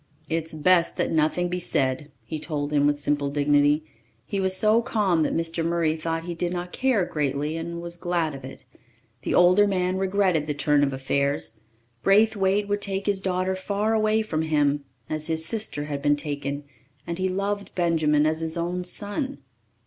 "It's best that nothing be said," he told him with simple dignity. He was so calm that Mr. Murray thought he did not care greatly, and was glad of it. The older man regretted the turn of affairs. Braithwaite would take his daughter far away from him, as his sister had been taken, and he loved Benjamin as his own son.